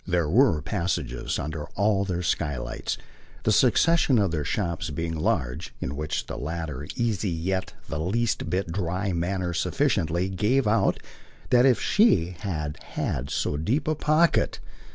There were passages, under all their skylights, the succession of their shops being large, in which the latter's easy yet the least bit dry manner sufficiently gave out that if SHE had had so deep a pocket